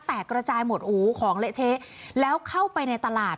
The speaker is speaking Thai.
กระจายหมดโอ้โหของเละเทะแล้วเข้าไปในตลาด